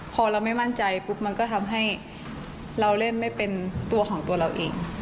พอเราไม่มั่นใจปุ๊บมันก็ทำให้เราเล่นไม่เป็นตัวของตัวเราเอง